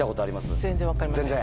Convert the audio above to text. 全然分かりません。